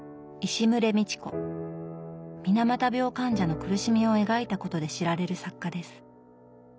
水俣病患者の苦しみを描いたことで知られる作家です。